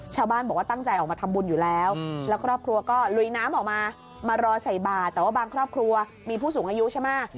ชาวบ้านบอกว่าตั้งใจออกมาทำบุญอยู่แล้วแล้วครอบครัวก็ลุยน้ำออกมามารอใส่บาทแต่ว่าบางครอบครัวมีผู้สูงอายุใช่ไหม